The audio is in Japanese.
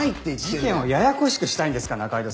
事件をややこしくしたいんですか仲井戸さん。